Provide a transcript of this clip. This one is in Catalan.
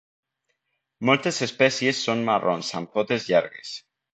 Moltes espècies són marrons amb potes llargues.